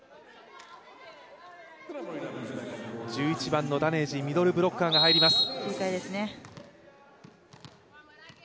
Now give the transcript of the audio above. １１番のダネージ、ミドルブロッカーが入ります。